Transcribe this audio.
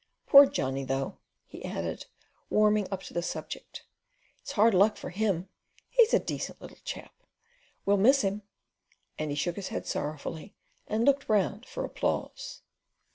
Poor Johnny, though," he added, warming up to the subject. "It's hard luck for him. He's a decent little chap. We'll miss him"; and he shook his head sorrowfully, and looked round for applause.